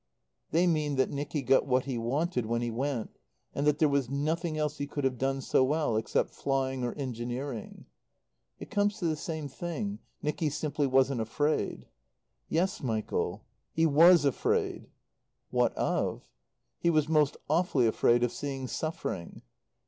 "They mean that Nicky got what he wanted when he went, and that there was nothing else he could have done so well, except flying, or engineering." "It comes to the same thing, Nicky simply wasn't afraid." "Yes, Michael, he was afraid." "What of?" "He was most awfully afraid of seeing suffering."